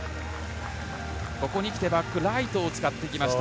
ここに来てバックライトを使ってきました。